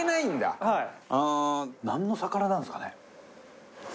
なんの魚なんですかね？